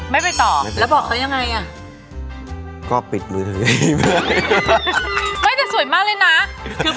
ไม่ไปต่อแล้วบอกเขายังไง